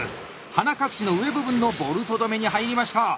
鼻隠しの上部分のボルト留めに入りました。